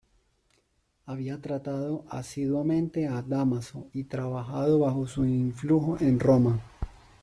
Había tratado asiduamente a Dámaso y trabajado bajo su influjo en Roma.